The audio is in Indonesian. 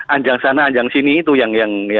anjang sana anjang sini itu yang